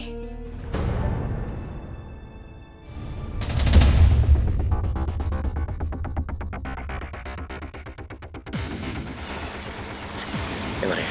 yang ini arapat